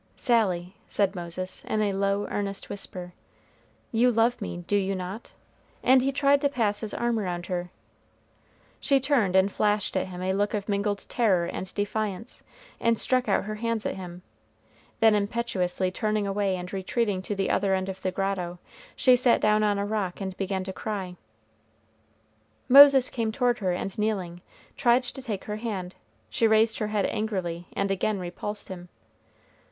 "Sally," said Moses, in a low, earnest whisper, "you love me, do you not?" and he tried to pass his arm around her. She turned and flashed at him a look of mingled terror and defiance, and struck out her hands at him; then impetuously turning away and retreating to the other end of the grotto, she sat down on a rock and began to cry. Moses came toward her, and kneeling, tried to take her hand. She raised her head angrily, and again repulsed him.